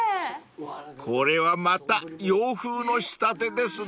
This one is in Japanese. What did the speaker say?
［これはまた洋風の仕立てですね］